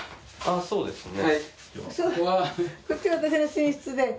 そうですね。